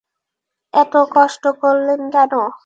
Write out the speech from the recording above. এত কষ্ট করলেন কেন?